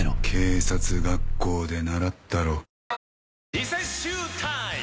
リセッシュータイム！